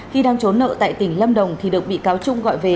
khi đang trốn nợ tại tỉnh lâm đồng thì được bị cáo trung gọi về